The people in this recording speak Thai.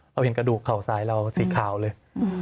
เห็นกระดูกเข่าซ้ายเราสีขาวเลย